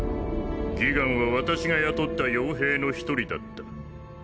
ギガンは私が雇った傭兵の一人だった。